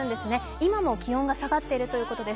今も気温が下がっているということです。